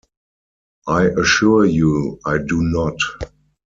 I assure you I do not!